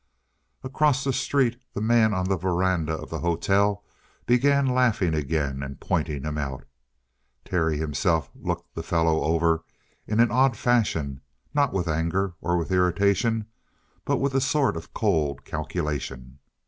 Across the street the man on the veranda of the hotel began laughing again and pointing him out. Terry himself looked the fellow over in an odd fashion, not with anger or with irritation, but with a sort of cold calculation.